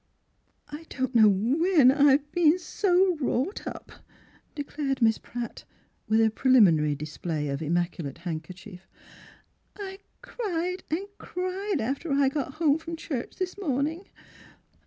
"I don't know when I've been so wrought up !" de clared Miss Pratt, with a pre liminary display of immaculate handkerchief. " I cried and 71 The Transfiguration of cried after I got home from church this morning.